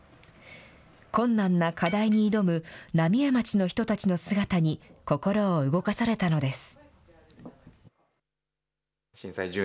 困難な課題に挑む浪江町の人たちの姿に、心を動かされたのです。